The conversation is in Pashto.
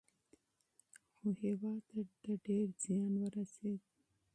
خو هیواد ته ډیر زیان ورسېد.